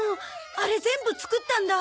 あれ全部作ったんだ。